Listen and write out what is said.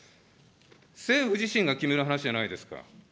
政府自身が決める話じゃないですか。